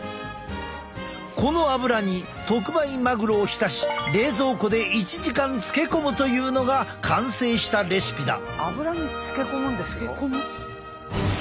このアブラに特売マグロを浸し冷蔵庫で１時間漬け込むというのが完成したレシピだ。